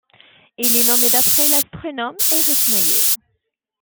Il est nommé d'après l'astronome Erich Meyer.